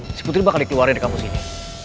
maksud lo si putri bakalan dikeluarin dari kampus ini